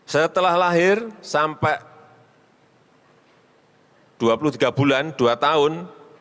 setelah lahir sampai dua puluh tiga bulan dua tahun